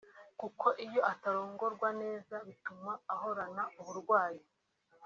kuko iyo atarongorwa neza bituma ahorana uburwayi